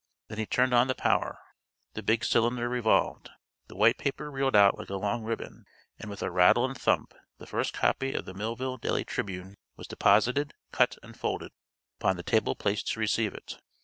Then he turned on the power; the big cylinder revolved; the white paper reeled out like a long ribbon and with a rattle and thump the first copy of the Millville Daily Tribune was deposited, cut and folded, upon the table placed to receive it.